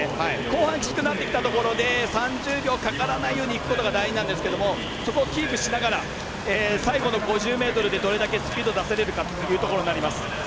後半、きつくなってきたところで３０秒かからないようにいくことが大事なんですがそこをキープしながら最後の５０ｍでどれだけスピードを出せることができるかということになります。